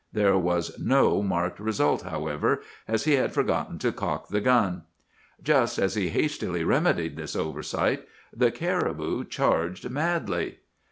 There was no marked result, however, as he had forgotten to cock the gun. Just as he hastily remedied this oversight, the caribou charged madly.